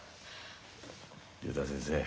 竜太先生。